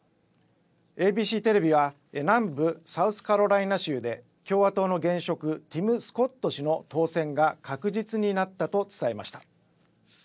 ＡＢＣテレビは南部サウスカロライナ州で共和党の現職ティム・スコット氏の当選が確実になったと伝えました。